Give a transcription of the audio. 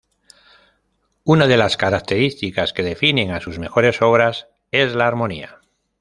Una de las características que definen a sus mejores obras es la armonía.